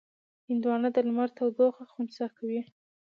هندوانه د لمر تودوخه خنثی کوي.